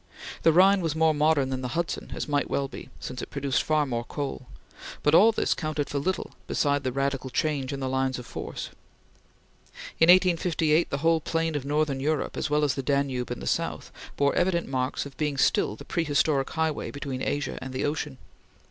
The Rhine was more modern than the Hudson, as might well be, since it produced far more coal; but all this counted for little beside the radical change in the lines of force. In 1858 the whole plain of northern Europe, as well as the Danube in the south, bore evident marks of being still the prehistoric highway between Asia and the ocean.